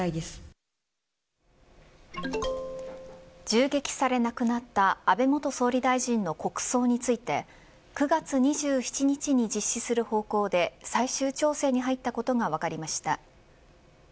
銃撃され亡くなった安倍元総理大臣の国葬について９月２７日に実施する方向で最終調整に入ったことが分かりました。